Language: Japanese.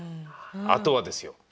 あとはですよ